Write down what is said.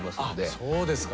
そうですか。